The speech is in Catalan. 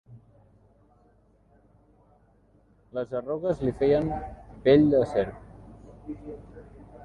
Les arrugues li feien pell de serp.